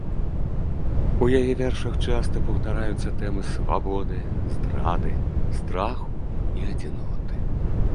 У яе вершах часта паўтараюцца тэмы свабоды, здрады, страху і адзіноты.